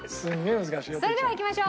それではいきましょう。